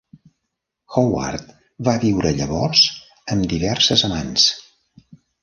Howard va viure llavors amb diverses amants.